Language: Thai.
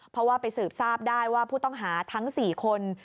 เพราะว่าไปสืบทราบได้ว่าผู้ต้องหาทั้ง๔คน